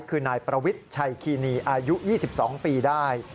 คือนายประวิทย์ชัยคีนีอายุ๒๒ปีได้